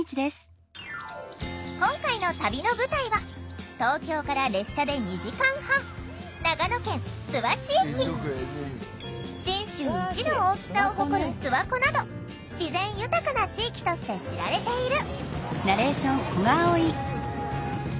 今回の旅の舞台は東京から列車で２時間半信州一の大きさを誇る諏訪湖など自然豊かな地域として知られている。